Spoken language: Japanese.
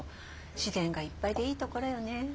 自然がいっぱいでいいところよね。